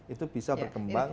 itu bisa berkembang